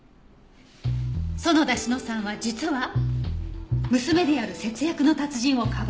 園田志乃さんは実は娘である節約の達人をかばっていたの。